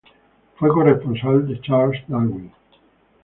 Fue corresponsal de Charles Darwin.